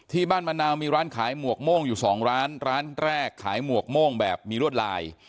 มะนาวมีร้านขายหมวกโม่งอยู่สองร้านร้านแรกขายหมวกโม่งแบบมีรวดลาย